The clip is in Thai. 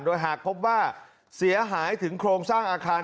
โดยหากพบว่าเสียหายถึงโครงสร้างอาคาร